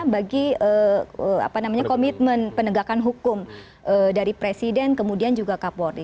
bagi komitmen penegakan hukum dari presiden kemudian juga kapolri